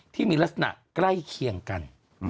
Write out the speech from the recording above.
ที่มีลักษณะใกล้เคียงกัน